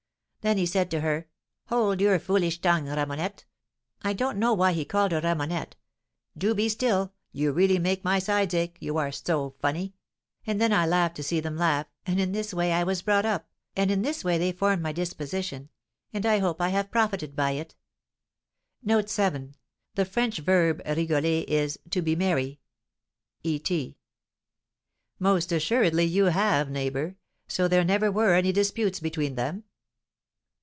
Then he said to her, 'Hold your foolish tongue, Ramonette,' I don't know why he called her Ramonette, 'do be still, you really make my sides ache, you are so funny.' And then I laughed to see them laugh, and in this way I was brought up, and in this way they formed my disposition; and I hope I have profited by it." The French verb rigoler is "to be merry." E. T. "Most assuredly you have, neighbour. So there never were any disputes between them?"